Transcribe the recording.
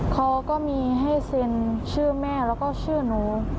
เขาก็มีให้เซ็นชื่อแม่แล้วก็ชื่อหนู